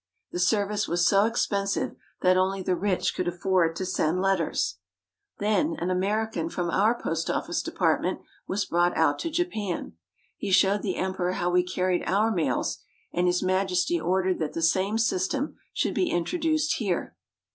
The service was so expensive that only the rich could afford to send letters. Then an Post Card. 64 JAPAN American from our Post Office Department was brought out to Japan. He showed the Emperor how we carried our mails, and His Majesty ordered that the same system should be introduced here.